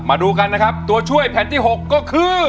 มาดูกันนะครับตัวช่วยแผ่นที่๖ก็คือ